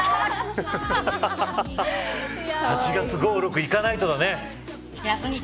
８月５、６行かないとだね。